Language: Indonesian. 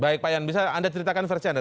baik pak yan bisa anda ceritakan versi anda